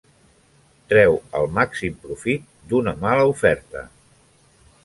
Treu el màxim profit d'una mala oferta